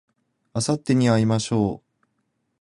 あさってに会いましょう